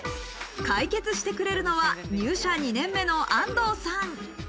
解決してくれるのは入社２年目の安藤さん。